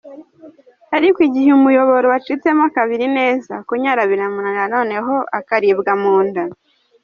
Ariko igihe umuyoboro wacitsemo kabiri neza, kunyara biramunanira noneho akaribwa munda.